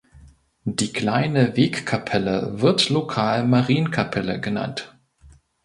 Die kleine Wegkapelle wird lokal "Marienkapelle" genannt.